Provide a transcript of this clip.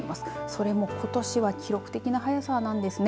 それもことしは記録的な早さなんですね。